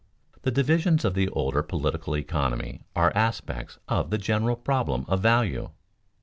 _The divisions of the older political economy are aspects of the general problem of value.